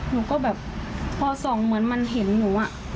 หนูก็แบบพอส่องเหมือนมันเห็นหนูอะ